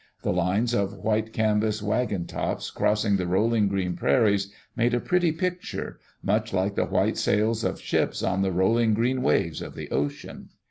The lines of white can vas wagon tops crossing the rolling green prairies made a pretty picture, much like the white sails of ships on the rolling green waves of the ocean.